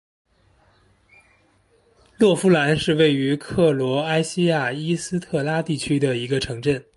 洛夫兰是位于克罗埃西亚伊斯特拉地区的一个城镇。